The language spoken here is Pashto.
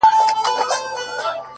د ټپې په رزم اوس هغه ده پوه سوه،